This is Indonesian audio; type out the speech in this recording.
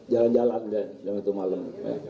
jalan jalan jam itu malam